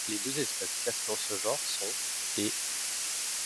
Les deux espèces classées dans ce genre sont ' et '.